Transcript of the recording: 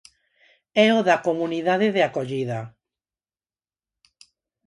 É o da comunidade de acollida.